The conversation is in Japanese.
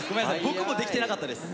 僕もできてなかったです。